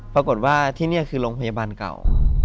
ปรากฏว่าที่นี่คือโรงพยาบาลเก่า